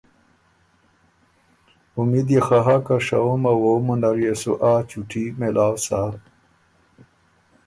امید يې خه هۀ که شهُمه وووُمه نر يې سُو آ چُوټي مېلاؤ سۀ۔